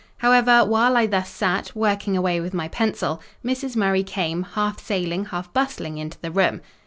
However, while I thus sat, working away with my pencil, Mrs. Murray came, half sailing, half bustling, into the room.